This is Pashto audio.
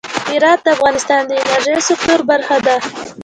هرات د افغانستان د انرژۍ سکتور برخه ده.